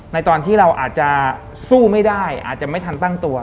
ตอนที่เราอาจจะสู้ไม่ได้อาจจะไม่ทันตั้งตัว